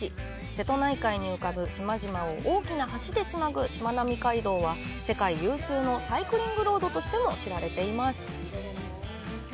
瀬戸内海に浮かぶ島々を大きな橋でつなぐ、しまなみ海道は世界有数のサイクリングロードとしても知られています。